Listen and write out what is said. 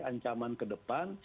ancaman ke depan